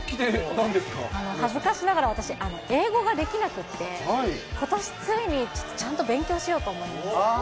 恥ずかしながら、私、英語ができなくって、ことしついにちゃんと勉強しようと思います。